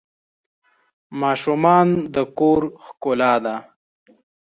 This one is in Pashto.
ماشومان د کور ښکلا ده.